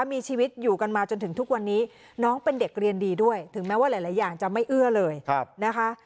มีชีวิตอยู่กันมาจนถึงทุกวันนี้น้องเป็นเด็กเรียนดีด้วยถึงแม้ว่าหลายอย่างจะไม่เอื้อเลยนะคะ